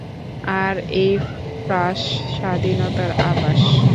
আর এই ফ্রাঁস স্বাধীনতার আবাস।